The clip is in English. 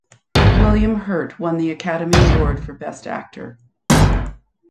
William Hurt won the Academy Award for Best Actor.